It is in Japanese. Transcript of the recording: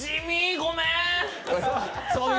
ごめん。